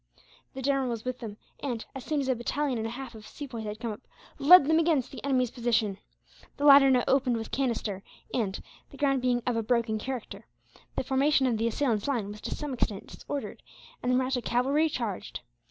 The general was with them and, as soon as a battalion and a half of Sepoys had come up, led them against the enemy's position. The latter now opened with canister and, the ground being of a broken character, the formation of the assailants' line was to some extent disordered and the Mahratta cavalry charged.